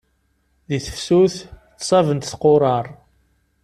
Di tefsut ttṣabent tquṛaṛ.